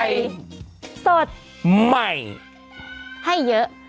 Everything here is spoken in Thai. สวัสดีค่ะ